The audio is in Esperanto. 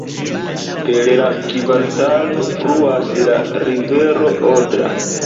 Per la kvartalo fluas la rivero Odra.